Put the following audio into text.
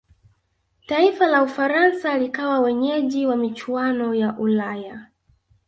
taifa la ufaransa likawa wenyeji wa michuano ya ulaya